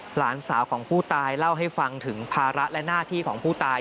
หลานสาวของผู้ตายเล่าให้ฟังถึงภาระและหน้าที่ของผู้ตาย